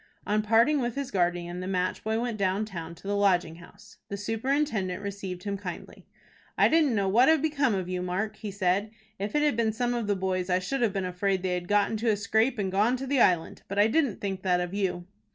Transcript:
On parting with his guardian the match boy went down town to the Lodging House. The superintendent received him kindly. "I didn't know what had become of you, Mark," he said. "If it had been some of the boys, I should have been afraid they had got into a scrape, and gone to the Island. But I didn't think that of you."